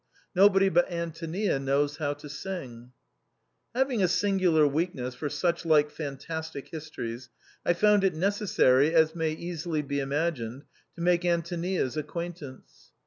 Nobody but Antonia knows how to sing/ " Having a singular weakness for such like fantastic his tories, I found it necessary, as may easily be imagined, to make Antonia*s acquaintance.